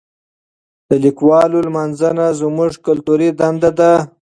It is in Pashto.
د لیکوالو لمانځنه زموږ کلتوري دنده ده.